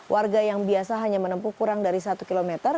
warga yang biasa hanya menempuh kurang dari satu km